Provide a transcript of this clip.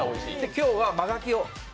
今日は真がきを。